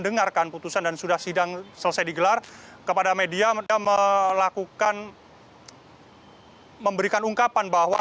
dengarkan putusan dan sudah sidang selesai digelar kepada media melakukan memberikan ungkapan bahwa